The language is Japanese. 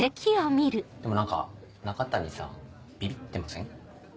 でも何か中谷さんビビってません？